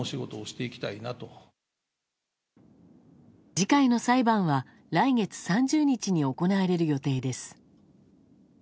次回の裁判は来月３０日に行われる予定です。